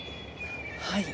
はい。